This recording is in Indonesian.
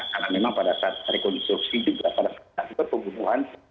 karena memang pada saat rekonstruksi juga pada saat pembunuhan